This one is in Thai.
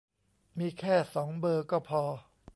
มีแค่สองเบอร์ก็พอ